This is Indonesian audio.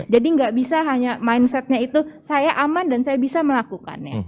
jadi nggak bisa hanya mindsetnya itu saya aman dan saya bisa melakukannya